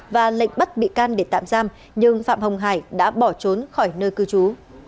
và lệnh bắt bị can để tạm giam nhưng phạm hồng hải đã bỏ trốn khỏi nơi cư trú